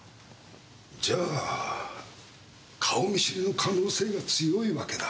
じゃあ顔見知りの可能性が強いわけだ。